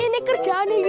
ini kerjaan nih gila